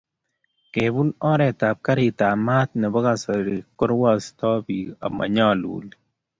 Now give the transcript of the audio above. kobon oret ab garit ab mat nebo kasari ko rwaostoi piik amanyaluli